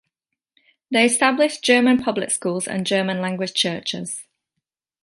They established German public schools and German language churches.